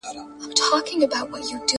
او زه به هم له مور غرونه سمندرونه ها پلو ځم